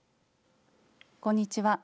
こんにちは。